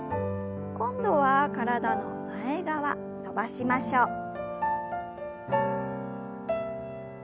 今度は体の前側伸ばしましょう。